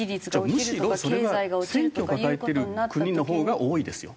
むしろそれは選挙抱えてる国のほうが多いですよ。